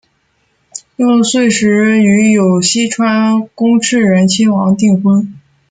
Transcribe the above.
六岁时与有栖川宫炽仁亲王订婚。